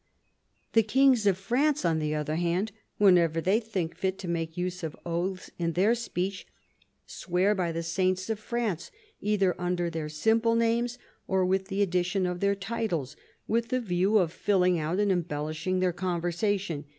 The kings of France, on the other hand, whenever they think fit to make use of oaths in their speech, swear by the saints of France either under their simple names, or with the addition of their titles, with the view of filling out and embellish ing their conversation.